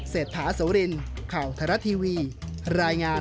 เศรษฐาเสวรินข่าวทรัตน์ทีวีรายงาน